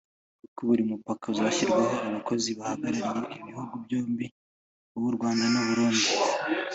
Kuko buri mupaka uzashyirwaho abakozi bahagarariye ibihugu byombi (uw’u Rwanda n’uw’u Burundi)